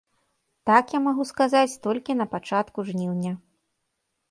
Так я магу сказаць толькі на пачатку жніўня.